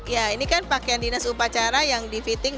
ya ini kan pakaian dinas upacara yang di fitting